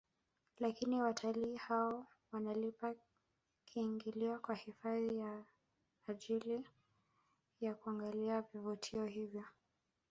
Lakini watalii hao wanalipa kiingilio kwa hifadhi kwa ajili ya kuangalia vivutio hivyo